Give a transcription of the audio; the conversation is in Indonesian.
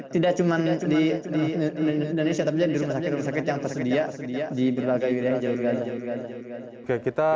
tidak cuma di indonesia tapi juga di rumah sakit yang tersedia di berbagai wilayah jadul gaza